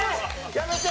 やめて！